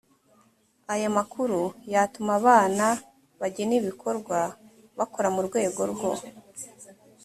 aya makuru yatuma abana bagena ibikorwa bakora mu rwego rwo